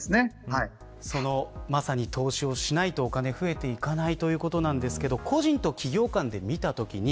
まさに、その投資をしないとお金が増えていかないということなんですが個人と企業間で見たときに